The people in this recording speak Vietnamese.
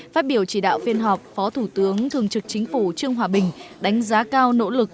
phát biểu chỉ đạo phiên họp phó thủ tướng thường trực chính phủ trương hòa bình đánh giá cao nỗ lực